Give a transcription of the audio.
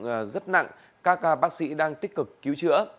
tình hình nạn nhân tiến lượng rất nặng các bác sĩ đang tích cực cứu chữa